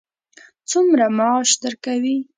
څومره معاش درکوي.